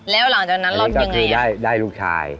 แล้วหลังจากนั้นรอดยังไงแล้วก็คือได้ลูกชาย